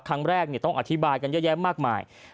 ครั้งแรกต้องอธิบายกันเยอะแยะมากมาย